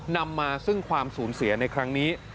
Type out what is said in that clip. นำมาซึ่งความสูญเสียในครั้งนี้